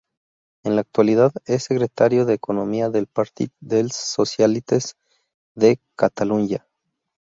En la actualidad es secretario de Economía del Partit dels Socialistes de Catalunya.